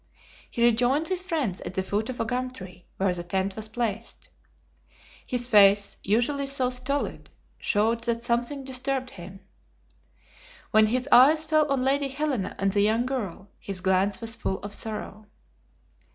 He rejoined his friends at the foot of a gum tree, where the tent was placed. His face, usually so stolid, showed that something disturbed him. When his eyes fell on Lady Helena and the young girl, his glance was full of sorrow.